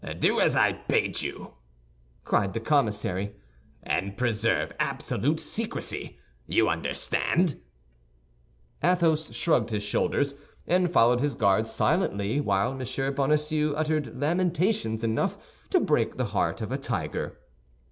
"Do as I bade you," cried the commissary, "and preserve absolute secrecy. You understand!" Athos shrugged his shoulders, and followed his guards silently, while M. Bonacieux uttered lamentations enough to break the heart of a tiger.